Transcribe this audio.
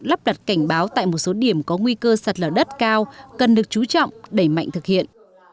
lắp đặt cảnh báo tại một số điểm có nguy cơ sạt lở đất cao cần được chú trọng đẩy mạnh thực hiện